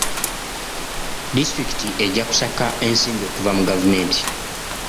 Disitulikiti ejja kusaka ensimbi okuva mu gavumenti.